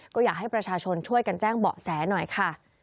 ก็อยากให้ประชาชนช่วยกันแจ้งเบาะแสหน่อยค่ะ